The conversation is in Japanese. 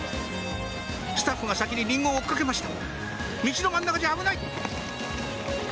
スタッフが先にリンゴを追っ掛けました道の真ん中じゃ危ない！